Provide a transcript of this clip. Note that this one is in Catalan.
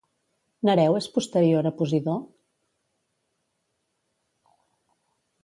Nereu és posterior a Posidó?